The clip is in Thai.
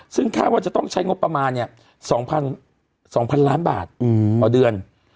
ซึ่งคาดว่าจะต้องใช้งบประมาณ๒๐๐๐ล้านบาทต่อเดือน